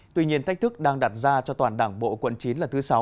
tuy nhiên thách thức đang đặt ra cho toàn đảng bộ quận chín là thứ sáu